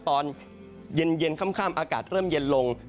ตอนเย็นค่ำอากาศเริ่มเย็นลง